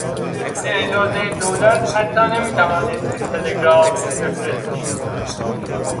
بدون اجازهی دولت حتی نمیتوانستیم تلگراف بفرستیم.